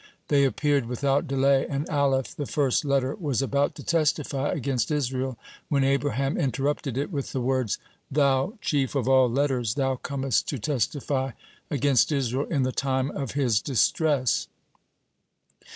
They appeared without delay, and Alef, the first letter, was about to testify against Israel, when Abraham interrupted it with the words: "Thou chief of all letters, thou comest to testify against Israel in the time of his distress?